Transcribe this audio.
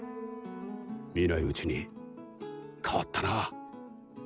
見ないうちに変わったな。